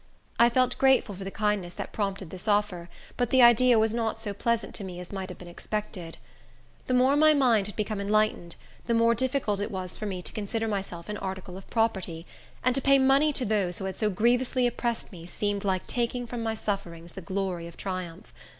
I felt grateful for the kindness that prompted this offer, but the idea was not so pleasant to me as might have been expected. The more my mind had become enlightened, the more difficult it was for me to consider myself an article of property; and to pay money to those who had so grievously oppressed me seemed like taking from my sufferings the glory of triumph.